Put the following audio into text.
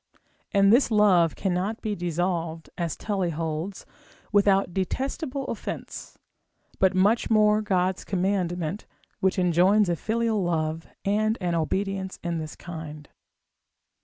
and this love cannot be dissolved, as Tully holds, without detestable offence: but much more God's commandment, which enjoins a filial love, and an obedience in this kind.